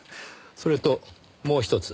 それともう一つ。